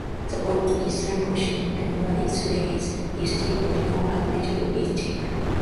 The old eastern portion and what is today's Eastcheap, was known as Little Eastcheap.